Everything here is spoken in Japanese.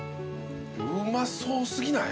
うまそう過ぎない？